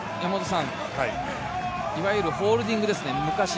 いわゆるホールディングですね。